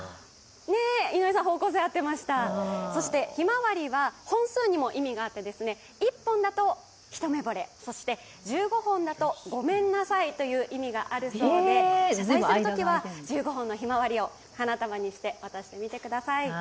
井上さん、方向性、合ってました、ひまわりは本数にも意味があって１本だと一目ぼれ、１５本だとごめんなさいという意味があるそうで、謝罪するときは１５本のひまわりを花束にしてみてください。